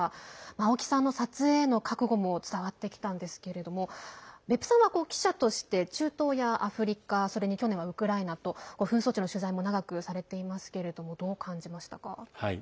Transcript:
青木さんの撮影への覚悟も伝わってきたんですけれども別府さんは記者として中東やアフリカそれに去年はウクライナと紛争地の取材を長くしていますがどう感じましたか？